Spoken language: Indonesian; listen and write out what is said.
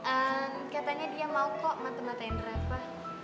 ehm katanya dia mau kok mata matain reva